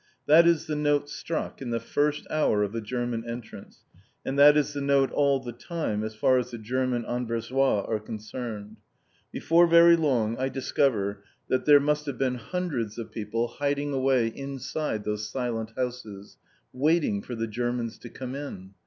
That is the note struck in the first hour of the German entrance; and that is the note all the time as far as the German Anversois are concerned. Before very long I discover that there must have been hundreds of people hiding away inside those silent houses, waiting for the Germans to come in.